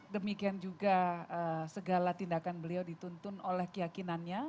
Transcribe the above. demikian juga segala tindakan beliau dituntun oleh keyakinannya